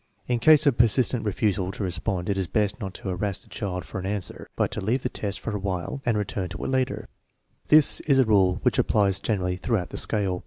In case of persistent refusal to respond it is best not to harass the child for an answer, but to leave the test for a while and return to it later. This is a rule which applies generally throughout the scale.